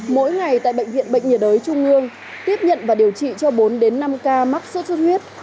mỗi ngày tại bệnh viện bệnh nhiệt đới trung ương tiếp nhận và điều trị cho bốn đến năm ca mắc sốt xuất huyết